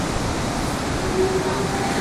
د يوسف عليه السلام په قصه کي عظيم درسونه سته.